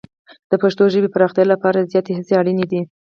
د پښتو ژبې پراختیا لپاره زیاتې هڅې اړینې دي.